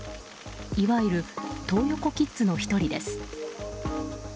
いわゆるトー横キッズの１人です。